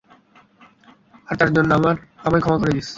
আর তার জন্য আমায় ক্ষমা করে দিস।